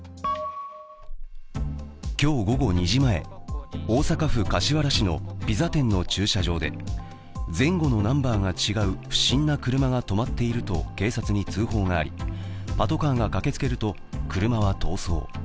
今日午後２時前、大阪府柏原市のピザ店の駐車場で前後のナンバーが違う不審な車が止まっていると、警察に通報があり、パトカーが駆けつけると車は逃走。